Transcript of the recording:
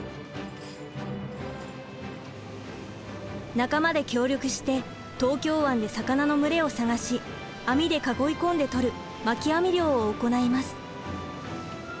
仲間で協力して東京湾で魚の群れを探し網で囲い込んで取るまき網漁を行います。